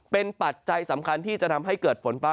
เป็นปัจจัยสำคัญที่จะทำให้เกิดฝนฟ้า